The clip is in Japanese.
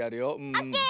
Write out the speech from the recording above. オッケー！